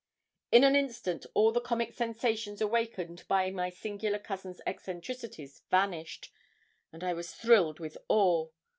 In an instant all the comic sensations awakened by my singular cousin's eccentricities vanished, and I was thrilled with awe.